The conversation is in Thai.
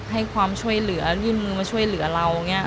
ให้ความช่วยเหลือยื่นมือมาช่วยเหลือเรา